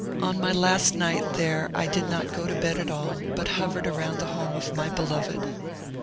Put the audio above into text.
On my last night there I did not go to bed at all, but hovered around the home of my beloved.